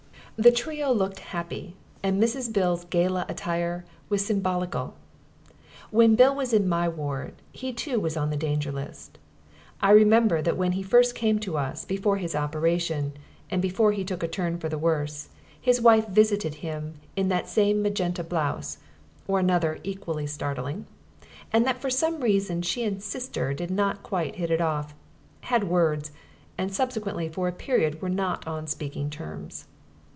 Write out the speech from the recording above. The trio looked happy, and Mrs. Bill's gala attire was symbolical. When Bill was in my ward he too was on the Danger List. I remember that when he first came to us, before his operation, and before he took a turn for the worse, his wife visited him in that same magenta blouse (or another equally startling) and that for some reason she and "Sister" did not quite hit it off, "had words," and subsequently for a period were not on speaking terms.